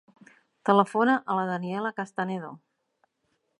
Telefona a la Daniella Castanedo.